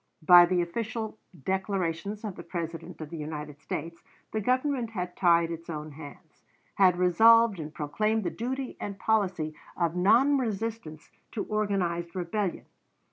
By the official declarations of the President of the United States, the Government had tied its own hands had resolved and proclaimed the duty and policy of non resistance to organized rebellion.